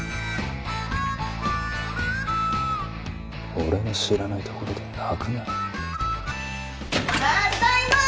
俺の知らないところで泣くなたっだいま！